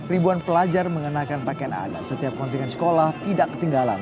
ribuan pelajar mengenakan pakaian adat setiap kontingen sekolah tidak ketinggalan